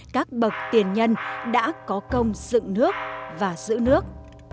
các bậc tiền nhân đã có công dựng nước và giữ nước